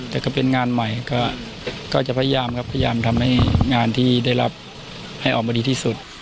แต่ก็เป็นงานใหม่ก็จะพยายามครับพยายามทำให้งานที่ได้รับให้ออกมาดีที่สุด